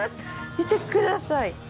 見てください。